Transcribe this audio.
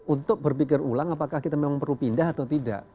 untuk berpikir ulang apakah kita memang perlu pindah atau tidak